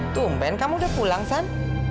tumpen kamu udah pulang san